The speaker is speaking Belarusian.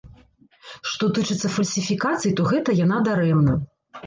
Што тычыцца фальсіфікацый, то гэта яна дарэмна.